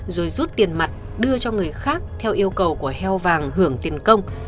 rồi rút tiền mặt đưa cho người khác theo yêu cầu của heo vàng hưởng tiền công